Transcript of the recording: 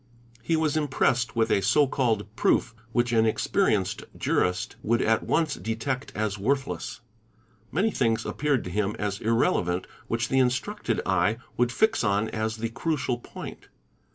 He was impressed with a so called — "proof '' which an experienced jurist would at once detect as worthless 7 many things appeared to him as irrelevant which the instructed e} om would fix on as the crucial point.